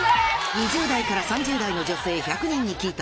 ２０代から３０代の女性１００人に聞いた！